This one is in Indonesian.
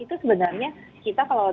itu sebenarnya kita kalau